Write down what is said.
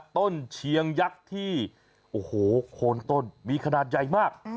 ต้นเชียงยักษ์ที่โคนต้นมีขนาดใหญ่มาก